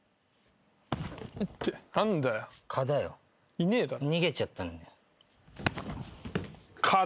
いねえだろ。